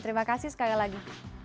terima kasih sekali lagi